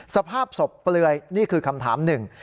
สภาพศพเปลือยนี่คือคำถามหนึ่ง